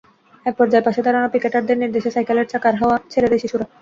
একপর্যায়ে পাশে দাঁড়ানো পিকেটারদের নির্দেশে সাইকেলের চাকার হাওয়া ছেড়ে দেয় শিশুরা।